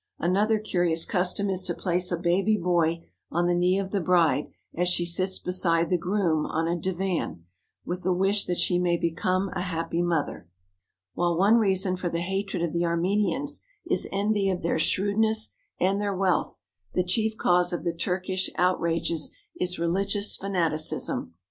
Another curious custom is to place a baby boy on the knee of the bride, as she sits beside the groom on a divan, with the wish that she may become a happy mother. While one reason for the hatred of the Armenians is envy of their shrewdness and their wealth, the chief cause of the Turkish outrages is religious fanaticism.